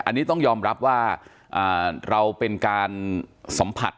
อันนี้ต้องยอมรับว่าเราเป็นการสัมผัส